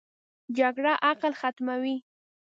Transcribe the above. جګړه عقل ختموي